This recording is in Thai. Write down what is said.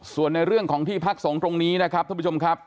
ส่วนในเรื่องของที่พักสงฆ์ตรงนี้นะครับท่านผู้ชมครับ